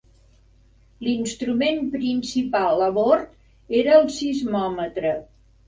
L'instrument principal a bord era el sismòmetre.